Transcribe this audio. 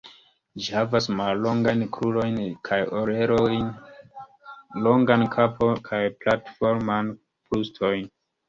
Ĝi havas mallongajn krurojn kaj orelojn, longan kapon kaj p,atforman bruston.